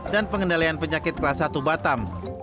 dan pengendalian penyakit kelas satu batam